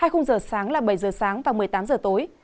hai khung giờ sáng là bảy h sáng và một mươi tám h tối